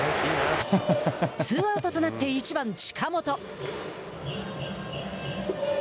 ツーアウトとなって１番近本。